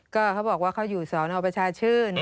ก็เขาบอกว่าเขาอยู่สอนอประชาชื่น